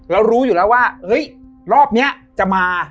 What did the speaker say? แล้วรู้อยู่แล้วว่ารอบนี้จะมา